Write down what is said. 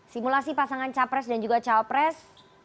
simulasi pasangan capres dan juga cawapres